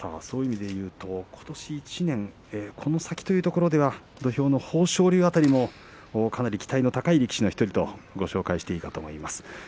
そういう意味でいうとことし１年この先というところでは土俵の豊昇龍辺りもかなり期待が高い力士とご紹介していいかと思います。